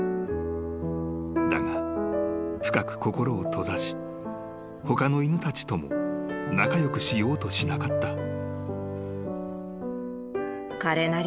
［だが深く心を閉ざし他の犬たちとも仲良くしようとしなかった］